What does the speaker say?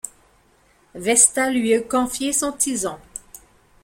Vesta lui eût confié son tison.